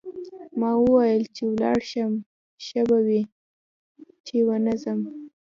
ما وویل چې ولاړ شم ښه به وي چې ونه ځم.